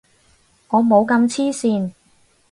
我冇咁黐線